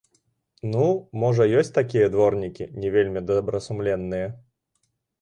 Ну, можа ёсць такія дворнікі, не вельмі добрасумленныя.